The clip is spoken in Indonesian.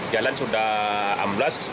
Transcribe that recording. jalan sudah amblas